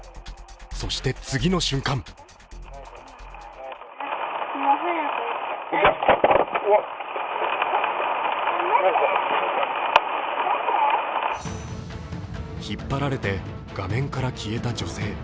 そして次の瞬間引っ張られて画面から消えた女性。